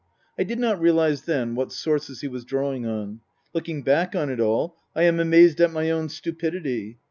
I did not realize then what sources he was drawing on. Looking back on it all, I am amazed at my own stupidity.